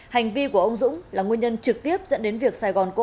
hành vi của ông dũng là nguyên nhân trực tiếp dẫn đến việc sài gòn cổ